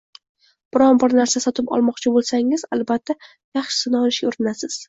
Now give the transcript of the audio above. Biron-bir narsa sotib olmoqchi bo‘lsangiz, albatta, yaxshisini olishga urinasiz.